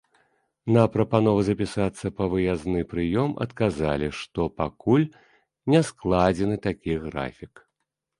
На прапанову запісацца па выязны прыём адказалі, што пакуль не складзены такі графік.